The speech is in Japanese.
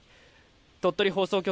鳥取放送局